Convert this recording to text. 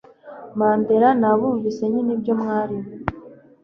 Mandela nabumvise nyine ibyo mwarimo